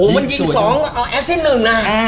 บิ้มสวยอาเอแอซเซ่นหนึ่งนะ